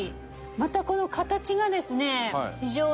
またこの形がですね非常に。